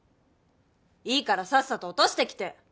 いいからさっさと落としてきて。